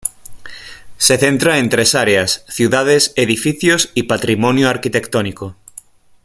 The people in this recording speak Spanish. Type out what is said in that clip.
Se centra en tres áreas: ciudades, edificios y patrimonio arquitectónico.